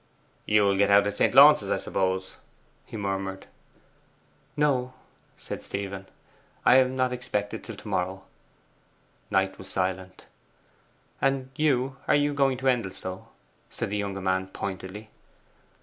'You will get out at St. Launce's, I suppose?' he murmured. 'No,' said Stephen, 'I am not expected till to morrow.' Knight was silent. 'And you are you going to Endelstow?' said the younger man pointedly.